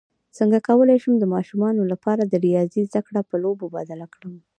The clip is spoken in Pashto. څنګه کولی شم د ماشومانو لپاره د ریاضي زدکړه په لوبو بدله کړم